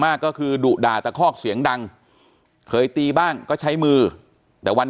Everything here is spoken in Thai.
มากก็คือดุด่าตะคอกเสียงดังเคยตีบ้างก็ใช้มือแต่วัน